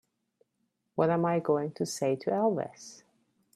What am I going to say to Elvis?